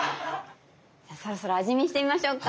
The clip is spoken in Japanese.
じゃあそろそろ味見してみましょうか。